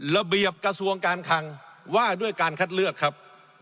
ระเบียบกระทรวงการคังว่าด้วยการคัดเลือกครับ